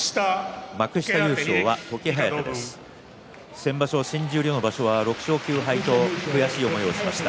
先場所新十両の場所は６勝９敗と悔しい思いをしました。